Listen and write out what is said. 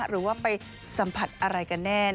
หรือว่าไปสัมผัสอะไรกันแน่